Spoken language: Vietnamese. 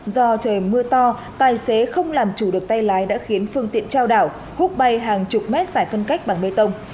do trời mưa to tài xế không làm chủ được tay lái đã khiến phương tiện trao đảo húc bay hàng chục mét giải phân cách bằng bê tông